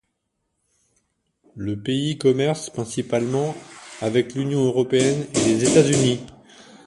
Le pays commerce principalement avec l'Union européenne et les États-Unis.